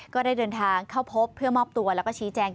ก็ได้เดินทางเข้าพบเพื่อมอบตัวแล้วก็ชี้แจง